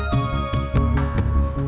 saya mau tanya sesuatu